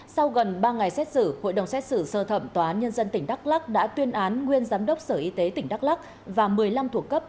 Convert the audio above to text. sau gần ba ngày xét xử hội đồng xét xử sơ thẩm tòa án nhân dân tỉnh đắk lắc đã tuyên án nguyên giám đốc sở y tế tỉnh đắk lắc và một mươi năm thuộc cấp